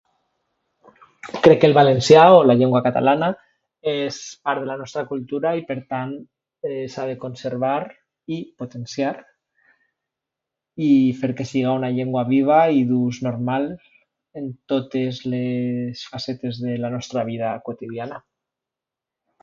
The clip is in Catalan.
Crec que el valencià o la llengua catalana és part de la nostra cultura i, per tant, eh, s'ha de conservar i potenciar i fer que siga una llengua viva i d'ús normal en totes les facetes de la nostra vida quotidiana.